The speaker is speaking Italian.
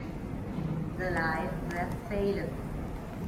The Lie That Failed